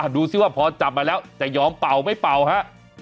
ดูสิว่าพอจับมาแล้วจะยอมเป่าไม่เป่าฮะ